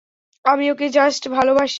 আমি ওকে জাস্ট ভালবাসি।